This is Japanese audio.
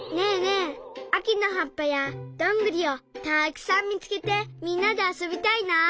えあきのはっぱやどんぐりをたくさんみつけてみんなであそびたいな。